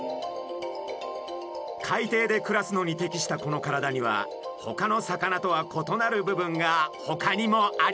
海底で暮らすのに適したこの体にはほかの魚とは異なる部分がほかにもあります。